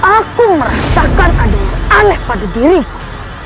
aku merasakan ada yang aneh pada diriku